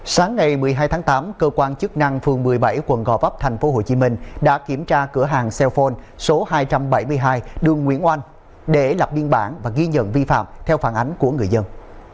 sáng ngày một mươi hai tháng tám cơ quan chức năng phường một mươi bảy quận gò vấp tp hcm đã kiểm tra cửa hàng cellphone số hai trăm bảy mươi hai đường nguyễn oanh để lập biên bản và ghi nhận vi phạm theo phản ánh của người dân